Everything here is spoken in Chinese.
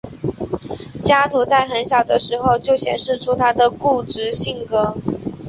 加图在很小的时候就显示出他的固执性格。